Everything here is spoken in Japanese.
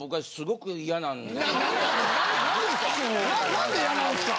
何で嫌なんですか？